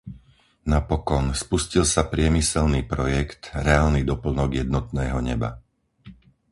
Napokon, spustil sa priemyselný projekt, reálny doplnok jednotného neba.